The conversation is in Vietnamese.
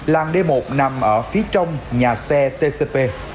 làng d một nằm ở phía trong nhà xe tcp